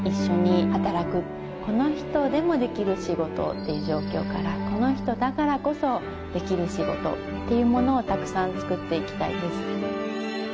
「この人でもできる仕事」っていう状況から「この人だからこそできる仕事」っていうものをたくさん作って行きたいです。